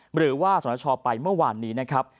หรือว่าสนชไปเมื่อวานนี้นะครับ